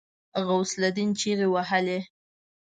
غوث الدين چيغې وهلې.